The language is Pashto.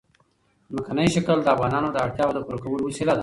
ځمکنی شکل د افغانانو د اړتیاوو د پوره کولو وسیله ده.